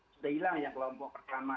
sudah hilang ya kelompok pertama